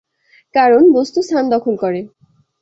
কারণ বস্তু স্থান দখল করে।